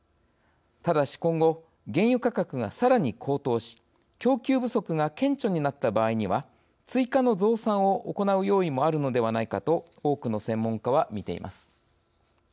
ただし、今後原油価格がさらに高騰し供給不足が顕著になった場合には追加の増産を行う用意もあるのではないかと多くの専門家は見ています。